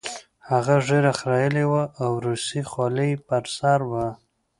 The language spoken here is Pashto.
هغه ږیره خریلې وه او روسۍ خولۍ یې په سر وه